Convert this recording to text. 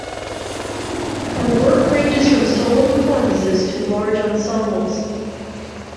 Her work ranges from solo performance to large ensembles.